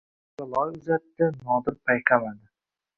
Ota loy uzatdi, Nodir payqamadi.